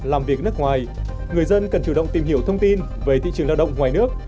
làm việc nước ngoài người dân cần chủ động tìm hiểu thông tin về thị trường lao động ngoài nước